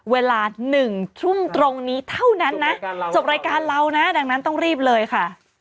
เวลา๑ทุ่มตรงนี้เท่านั้นนะจบรายการเรานะดังนั้นต้องรีบเลยค่ะ